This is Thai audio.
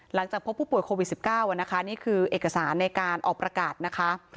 หลังจากพบผู้ป่วยโควิด๑๙นะคะนี่คือเอกสารในการออกประกาศนะคะ